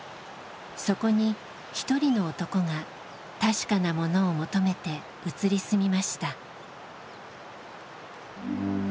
そこに一人の男が「確かなもの」を求めて移り住みました。